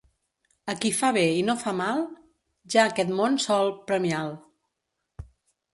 A qui fa bé i no fa mal, ja aquest món sol premia'l.